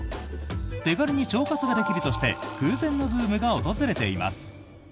手軽に腸活ができるとして空前のブームが訪れています。